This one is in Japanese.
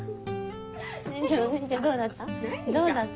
どうだった？